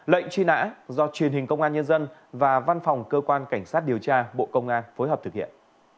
lệnh truy nã do truyền hình công an nhân dân và văn phòng cơ quan cảnh sát điều tra bộ công an phối hợp thực hiện